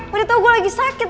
beritahu gue lagi sakit